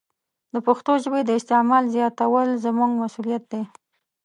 د پښتو ژبې د استعمال زیاتول زموږ مسوولیت دی.